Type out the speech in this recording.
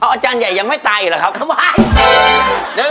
เอาอาจารย์ใหญ่ยังไม่ไตหรอครับน้ำไหว